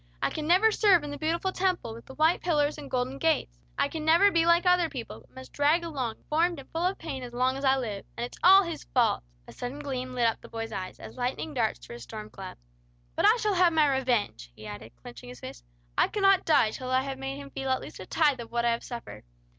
I can never serve in the beautiful temple with the white pillars and golden gates. I can never be like other people, but must drag along, deformed and full of pain as long as I live. And it's all his fault!" A sudden gleam lit up the boy's eyes, as lightning darts through a storm cloud. "But I shall have my revenge!" he added, clinching his fists. "I cannot die till I have made him feel at least a tithe of what I have suffered.